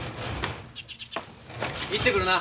行ってくるな。